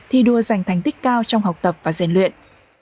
thi đua giành thành tích cao trong học tập và giàn luyện